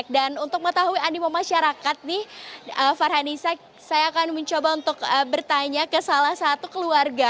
dan untuk mengetahui animo masyarakat nih farhanisa saya akan mencoba untuk bertanya ke salah satu keluarga